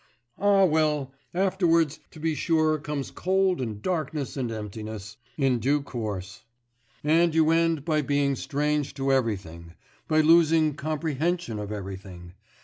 Ah, well, afterwards to be sure comes cold and darkness and emptiness ... in due course. And you end by being strange to everything, by losing comprehension of everything.